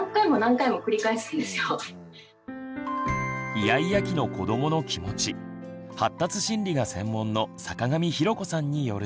イヤイヤ期の子どもの気持ち発達心理が専門の坂上裕子さんによると。